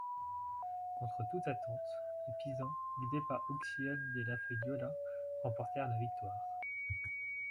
Contre toute attente, les Pisans, guidés par Uguccione della Faggiola remportèrent la victoire.